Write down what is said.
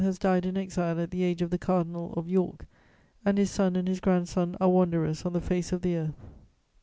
has died in exile at the age of the Cardinal of York, and his son and his grandson are wanderers on the face of the earth!